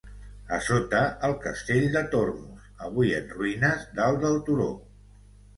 A sota, el castell de Tormos, avui en ruïnes, dalt del turó.